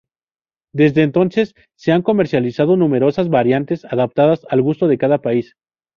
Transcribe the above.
Desde entonces se han comercializado numerosas variantes, adaptadas al gusto de cada país.